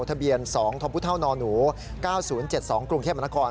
ทะเบียน๒ธพุทธาวนหนู๙๐๗๒กรุงแข่มนาคอร์น